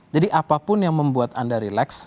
jadi apapun yang membuat anda relax